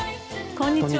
こんにちは。